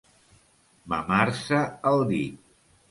Mamar-se el dit.